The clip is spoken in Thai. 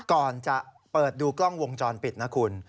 ก่อนจะเปิดดูกล้องวงจรปิดนะคุณ